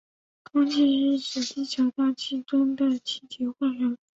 空气是指地球大气层中的气体混合。